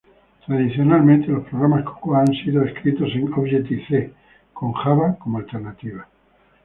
Tradicionalmente, los programas Cocoa han sido escritos en Objective-C, con Java como alternativa.